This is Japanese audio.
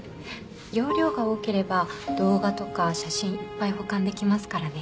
容量が多ければ動画とか写真いっぱい保管できますからね